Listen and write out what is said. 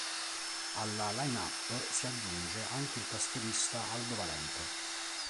Alla line-up si aggiunge anche il tastierista Aldo Valente.